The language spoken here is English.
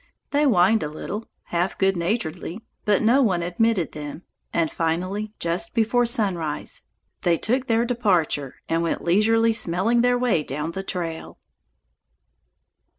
They whined a little, half good naturedly, but no one admitted them, and finally, just before sunrise, they took their departure and went leisurely smelling their way down the trail.